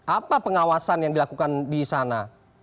apa pengawasan yang dilakukan di sana